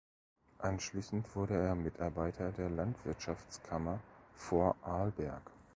Anschließend wurde er Mitarbeiter der Landwirtschaftskammer Vorarlberg.